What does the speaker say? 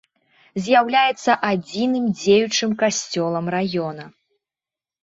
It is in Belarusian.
З'яўляецца адзіным дзеючым касцёлам раёна.